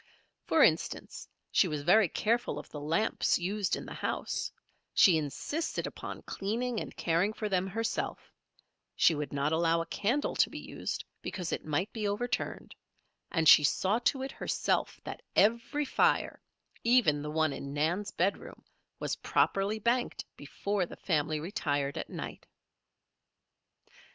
For instance, she was very careful of the lamps used in the house she insisted upon cleaning and caring for them herself; she would not allow a candle to be used, because it might be overturned; and she saw to it herself that every fire, even the one in Nan's bedroom, was properly banked before the family retired at night.